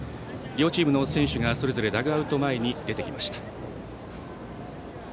両チームの選手がそれぞれダグアウト前に出てきました。